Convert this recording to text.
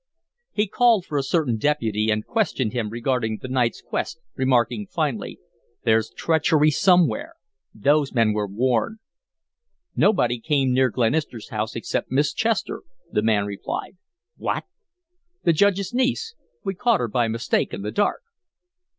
He called for a certain deputy and questioned him regarding the night's quest, remarking, finally: "There's treachery somewhere. Those men were warned." "Nobody came near Glenister's house except Miss Chester," the man replied. "What?" "The Judge's niece. We caught her by mistake in the dark."